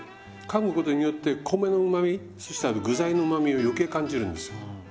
かむことによって米のうまみそしてあの具材のうまみを余計感じるんですよ。